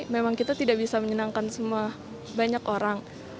memang kita tidak bisa menyenangkan semua banyak orang